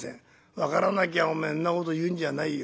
「分からなきゃおめえんなこと言うんじゃないよ」。